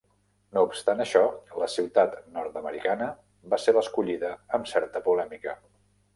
No obstant això, la ciutat nord-americana va ser l'escollida, amb certa polèmica.